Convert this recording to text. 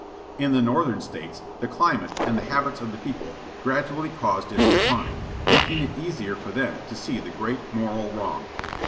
In the Northern States, the climate, and habits of the people, gradually caused its decline, making it easier for them to see the great moral wrong.